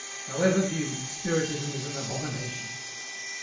"However viewed, Spiritism is an abomination."